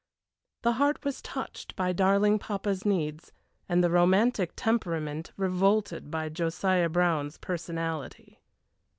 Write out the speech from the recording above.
The heart was touched by darling papa's needs, and the romantic temperament revolted by Josiah Brown's personality.